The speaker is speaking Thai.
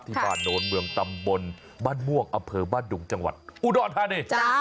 บ้านโน้นเมืองตำบลบ้านม่วงอำเภอบ้านดุงจังหวัดอุดรธานี